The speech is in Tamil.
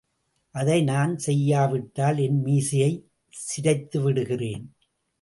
அதை நான் செய்யாவிட்டால் என் மீசையைச் சிரைத்து விடுகிறேன்.